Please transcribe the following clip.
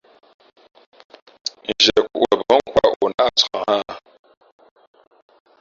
Zhiekhǔ lα bά nkō ā, o nāʼ cak nhᾱ a.